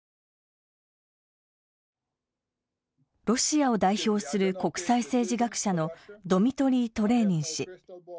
ロシアを代表する国際政治学者のドミトリー・トレーニン氏。